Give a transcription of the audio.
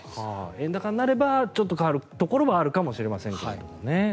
円高になればちょっと変わるところもあるかもしれませんがね。